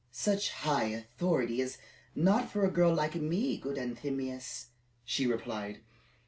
"Such high authority is not for a girl like me, good Anthemius," she replied.